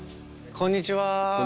こんにちは。